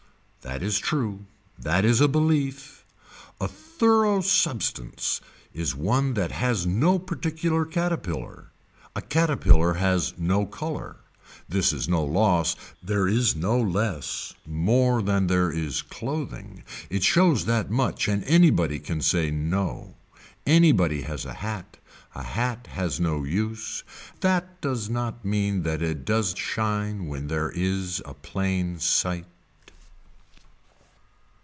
That is true, that is a belief. A thorough substance is one that has no particular caterpillar, a caterpillar has no color, this is no loss, there is no less more than there is clothing, it shows that much and anybody can say no, anybody has a hat, a hat has no use, that does not mean that it does shine when there is a plain sight.